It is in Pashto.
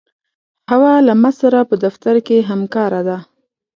حوا له ما سره په دفتر کې همکاره ده.